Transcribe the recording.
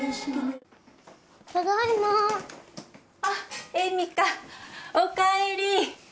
あっ。